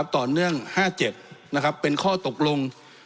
ต่อเนื่อง๕๗เป็นข้อตกลง